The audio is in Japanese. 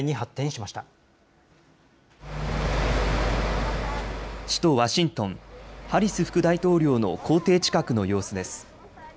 首都ワシントン、ハリス副大統領の公邸近くの様子です。